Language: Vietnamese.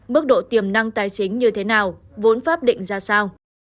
mức độ tiềm năng tài chính như thế nào vốn pháp định ra sao